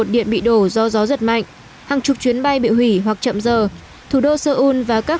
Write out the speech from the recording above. điện bị đổ do gió giật mạnh hàng chục chuyến bay bị hủy hoặc chậm giờ thủ đô seoul và các